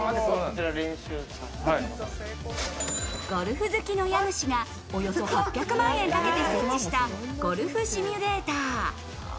ゴルフ好きの家主がおよそ８００万円かけて設置したゴルフシミュレーター。